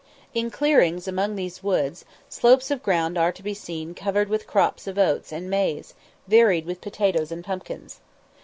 In clearings among these woods, slopes of ground are to be seen covered with crops of oats and maize, varied with potatoes and pumpkins.